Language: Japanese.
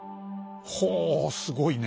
ほうすごいね！